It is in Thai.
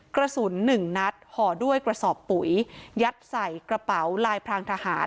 กระสุนหนึ่งนัดห่อด้วยกระสอบปุ๋ยยัดใส่กระเป๋าลายพรางทหาร